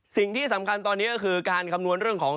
สิ่งที่สำคัญตอนนี้ก็คือการคำนวณเรื่องของ